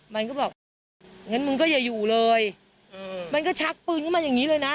มันก็บอกงั้นมึงก็อย่าอยู่เลยมันก็ชักปืนขึ้นมาอย่างนี้เลยนะ